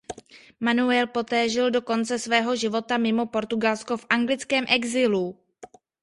Manuel poté žil do konce svého života mimo Portugalsko v anglickém exilu.